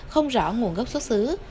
không rõ nguồn gốc xuất xứ